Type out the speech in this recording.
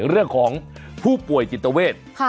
เรื่องของผู้ป่วยจิตเวท